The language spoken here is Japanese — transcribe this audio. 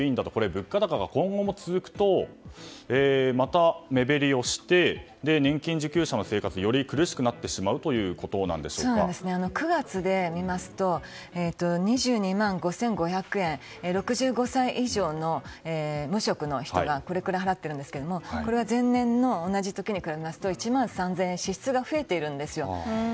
物価高が今後も続くとまた目減りをして年金受給者の生活がより苦しくなってしまう９月で見ますと２２万５５００円６５歳以上の無職の人がこれくらい払っていますがこれは前年の同じ時に比べますと１万３０００円支出が増えているんですよ。